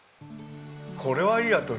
これはいいやと。